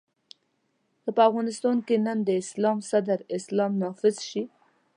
که په افغانستان کې نن د اسلام صدر اسلام نافذ شي.